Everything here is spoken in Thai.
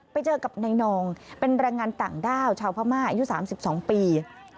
ไปเจอกับนายนองเป็นแรงงานต่างด้าวชาวพม่าอายุ๓๒ปี